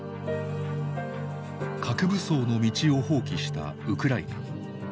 核武装の道を放棄したウクライナ。